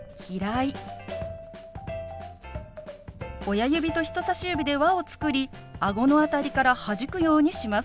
親指と人さし指で輪を作りあごの辺りからはじくようにします。